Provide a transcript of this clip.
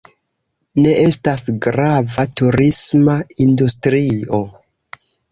Ne estas grava turisma industrio.